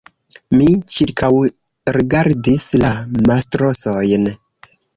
Mi ĉirkaŭrigardis la matrosojn.